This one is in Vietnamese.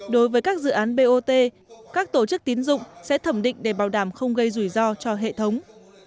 đối với các dự án bot các tổ chức tín dụng sẽ thẩm định để bảo đảm không gây rủi ro cho hệ thống